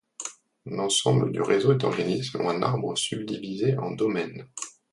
L'ensemble du réseau est organisé selon un arbre subdivisé en domaines.